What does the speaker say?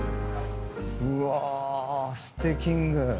うわステキング！